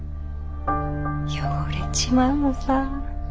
汚れちまうのさ。